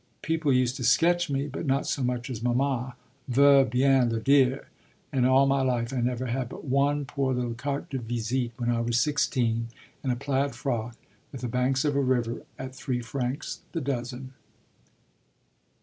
People used to sketch me, but not so much as mamma veut bien le dire; and in all my life I never had but one poor little carte de visite, when I was sixteen, in a plaid frock, with the banks of a river, at three francs the dozen."